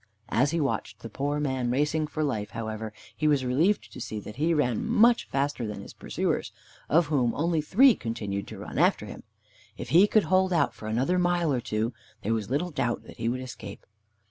As he watched the poor man racing for life, however, he was relieved to see that he ran much faster than his pursuers, of whom only three continued to run after him. If he could hold out for another mile or two there was little doubt that he would escape.